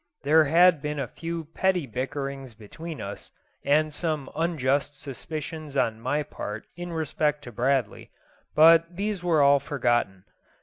There had been a few petty bickerings between us, and some unjust suspicions on my part in respect to Bradley; but these were all forgotten.